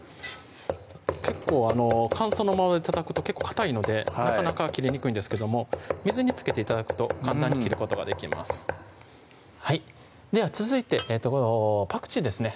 結構乾燥のままでたたくとかたいのでなかなか切れにくいんですけども水につけて頂くと簡単に切ることができますでは続いてパクチーですね